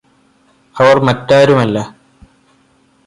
അവര് മറ്റാരുമല്ല